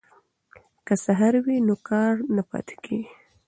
که سهار وي نو کار نه پاتې کیږي.